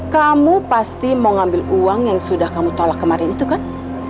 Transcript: kamu pasti mau ngambil uang yang sudah kamu tolak kemarin itu kan